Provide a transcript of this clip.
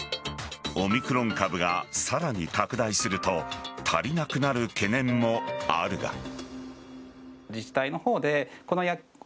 オミクロン株がさらに拡大すると足りなくなる懸念もあるが。